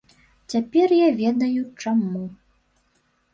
Цяпер я ведаю, чаму.